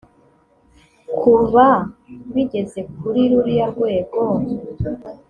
Kuba bigeze kuri ruriya rwego